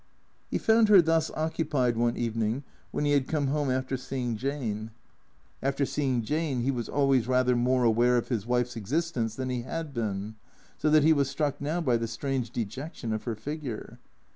He found her thus occupied one evening when he had come home after seeing Jane. After seeing Jane he was always rather more aware of his wife's existence than he had been, so that he was struck now by the strange dejection of her figure.